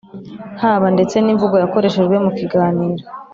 haba ndetse n'imvugo yakoreshejwe mu kiganiro,